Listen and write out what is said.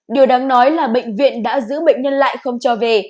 điều đáng nói là bệnh viện đã giữ bệnh nhân lại không cho về